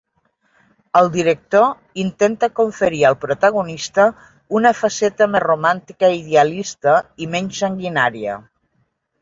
El director intenta conferir al protagonista una faceta més romàntica i idealista i menys sanguinària.